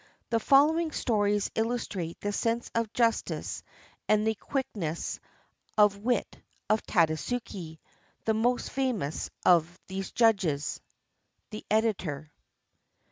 The follow ing stories illustrate the sense of justice and the quickness of wit of Tadasuke, the most famous of these judges. The Editor.